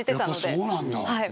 やっぱそうなんだ。